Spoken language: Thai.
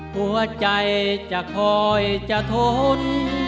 เพียงใดหัวใจจะคอยจะทน